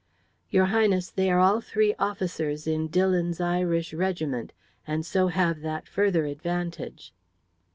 "Your Highness, they are all three officers in Dillon's Irish regiment, and so have that further advantage."